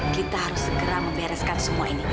kita harus segera membereskan semua ini